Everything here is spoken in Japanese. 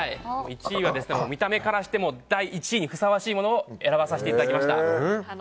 １位は見た目からして第１位にふさわしいものを選ばさせていただきました。